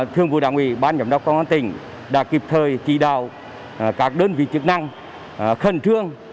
thường vụ đảng ủy ban giám đốc công an tỉnh đã kịp thời chỉ đạo các đơn vị chức năng khẩn trương